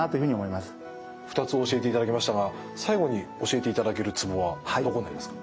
２つ教えていただきましたが最後に教えていただけるツボはどこになりますか？